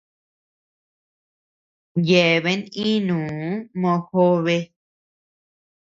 Yeabean iʼnuu mojobe.